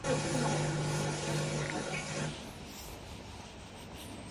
Гал голомтыг чинь сахиулъя. Газар нутгийг чинь эзлүүлъе.